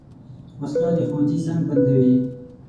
وسله د ښوونځي زنګ بندوي